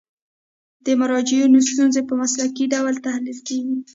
د مراجعینو ستونزې په مسلکي ډول تحلیل کیږي.